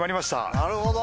なるほど。